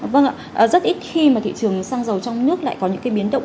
vâng ạ rất ít khi mà thị trường xăng dầu trong nước lại có những cái biến động